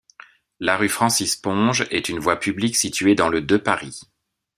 La rue Francis-Ponge est une voie publique située dans le de Paris.